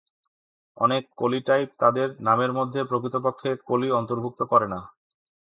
অনেক কলি টাইপ তাদের নামের মধ্যে প্রকৃতপক্ষে "কলি" অন্তর্ভুক্ত করে না।